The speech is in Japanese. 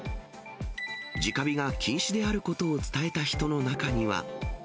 じか火が禁止であることを伝えた人の中には。